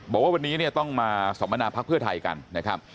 บอกว่าวันนี้เนี่ยต้องมาสัมมนาพักเพื่อไทยกันนะครับ